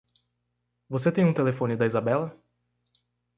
Você tem um telefone da Izabela?